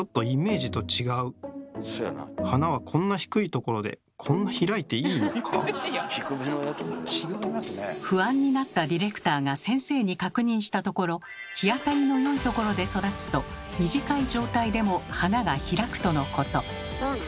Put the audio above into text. と喜んだものの不安になったディレクターが先生に確認したところ日当たりの良いところで育つと短い状態でも花が開くとのこと。